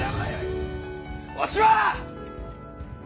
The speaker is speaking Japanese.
わしは！